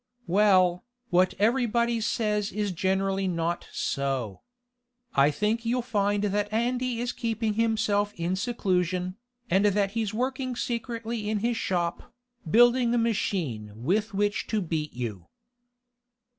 "Well, what everybody says is generally not so. I think you'll find that Andy is keeping himself in seclusion, and that he's working secretly in his shop, building a machine with which to beat you."